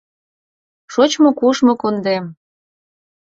Шочмо-кушмо кундем!